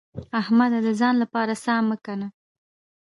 احمده! د ځان لپاره څا مه کينه.